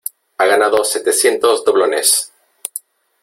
¡ ha ganado setecientos doblones !